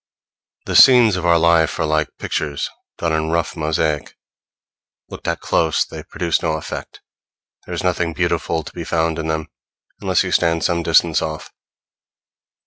The scenes of our life are like pictures done in rough mosaic. Looked at close, they produce no effect. There is nothing beautiful to be found in them, unless you stand some distance off.